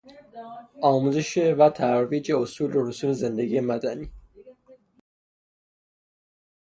آموزش و ترویج اصول و رسوم زندگی مدنی